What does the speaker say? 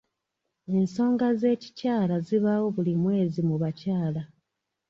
Ensonga z'ekikyala zibaawo buli mwezi mu bakyala.